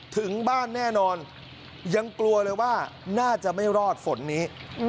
ถึงบ้านแน่นอนยังกลัวเลยว่าน่าจะไม่รอดฝนนี้